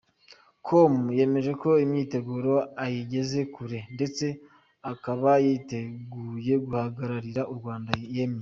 com, yemeje ko imyiteguro ayigeze kure ndetse akaba yiteguye guhagararira u Rwanda yemye.